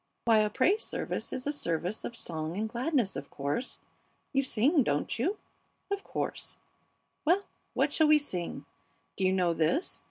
"Why, a praise service is a service of song and gladness, of course. You sing, don't you? Of course. Well, what shall we sing? Do you know this?"